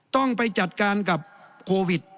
ต้องไปจัดการกับโควิด